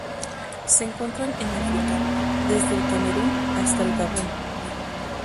Se encuentran en África: desde el Camerún hasta el Gabón.